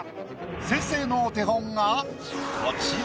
先生のお手本がこちら。